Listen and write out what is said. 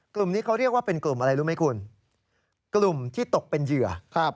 กลุ่มนี้เขาเรียกว่าเป็นกลุ่มอะไรรู้ไหมคุณกลุ่มที่ตกเป็นเหยื่อครับ